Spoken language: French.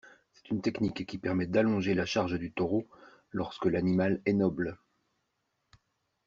C'est une technique qui permet d'allonger la charge du taureau lorsque l'animal est noble.